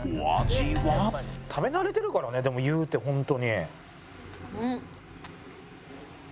食べ慣れてるからねでも言うてホントに。